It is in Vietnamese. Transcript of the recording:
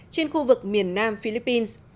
trên khu vực miền nam philippines